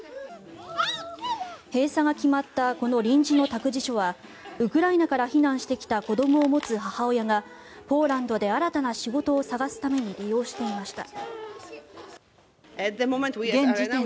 閉鎖が決まったこの臨時の託児所はウクライナから避難してきた子どもを持つ母親がポーランドで新たな仕事を探すために利用していました。